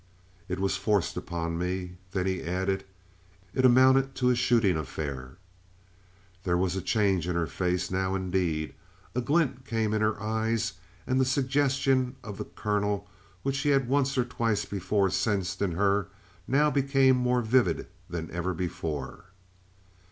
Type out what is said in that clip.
"It was forced upon me." Then he added: "It amounted to a shooting affair." There was a change in her face now, indeed. A glint came in her eyes, and the suggestion of the colonel which he had once or twice before sensed in her, now became more vivid than ever before.